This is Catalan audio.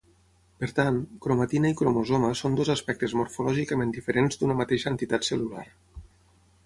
Per tant, cromatina i cromosoma són dos aspectes morfològicament diferents d'una mateixa entitat cel·lular.